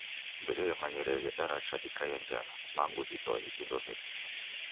Ndederemayireghe daracha dikaie njala. Kumangu didwae vindo vedu.